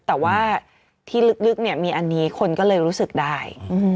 แต่ว่าที่ลึกเนี่ยมีอันนี้คนก็เลยรู้สึกได้